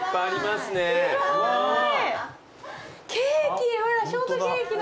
・すごい。